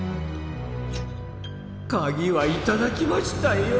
カギはいただきましたよ！